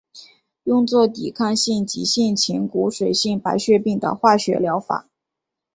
用作抵抗性急性前骨髓性白血病的化学疗法。